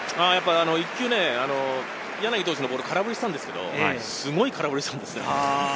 １球、柳投手のボールを空振りしたんですけど、すごい空振りしたんですよ。